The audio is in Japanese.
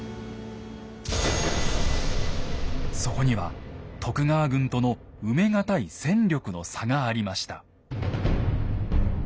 そこには徳川軍との埋め難い戦力の差がありました。